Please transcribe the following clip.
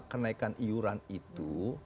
kenaikan iuran itu